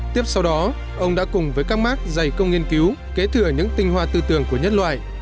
tiếp sau đó ông đã cùng với các mark dày công nghiên cứu kế thừa những tinh hoa tư tưởng của nhân loại